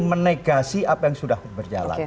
menegasi apa yang sudah berjalan